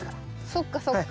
そっかそっか。